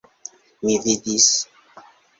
Mi vidis.